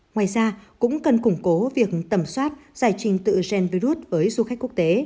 ngoài ra cũng cần củng cố việc tẩm soát giải trình tự gen virus với du khách quốc tế